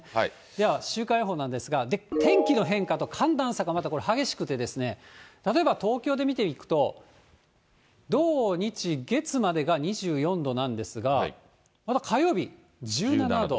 では、週間予報なんですが、天気の変化と寒暖差がまたこれ、激しくてですね、例えば東京で見ていくと、土、日、月までが２４度なんですが、また火曜日、１７度。